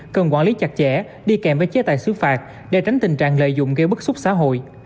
cần quản lý chặt chẽ đi kèm với chế tài xứ phạt để tránh tình trạng lợi dụng gây bức xúc xã hội